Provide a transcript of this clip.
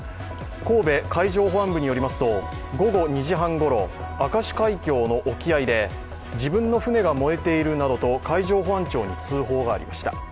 神戸海上保安部によりますと午後２時半ごろ明石海峡の沖合で自分の船が燃えているなどと海上保安庁に通報がありました。